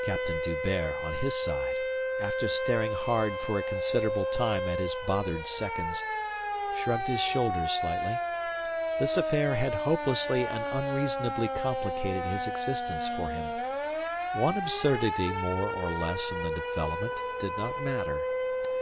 Captain D'Hubert, on his side, after staring hard for a considerable time at his bothered seconds, shrugged his shoulders slightly. This affair had hopelessly and unreasonably complicated his existence for him. One absurdity more or less in the development did not matter.